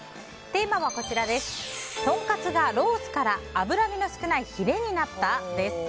テーマは、とんかつがロースから脂身の少ないヒレになった？です。